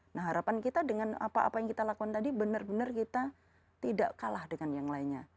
nah harapan kita dengan apa apa yang kita lakukan tadi benar benar kita tidak kalah dengan yang lainnya